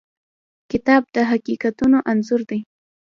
کتاب د حقیقتونو انځور دی.